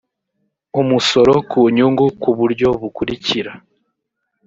umusoro ku nyungu ku buryo bukurikira